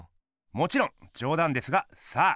もちろんじょうだんですがさあ